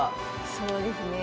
そうですね。